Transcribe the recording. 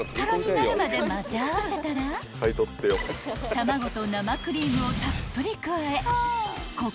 ［卵と生クリームをたっぷり加え］